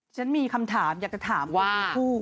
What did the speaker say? ฉันมีคำถามอยากจะถามคุณผู้